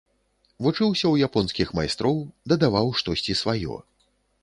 Вучыўся ў японскіх майстроў, дадаваў штосьці сваё.